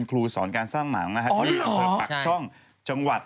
กรีนสีและกาวแป้ง